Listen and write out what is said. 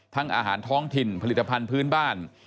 อาหารท้องถิ่นผลิตภัณฑ์พื้นบ้าน